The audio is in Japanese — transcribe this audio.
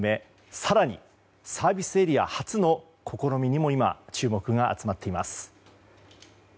更に、サービスエリア初の試みにも今、注目が集まっています。